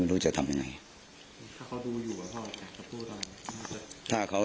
มีเรื่องอะไรมาคุยกันรับได้ทุกอย่าง